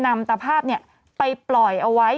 นำตภาพเนี่ยไปปล่อยเอาไว้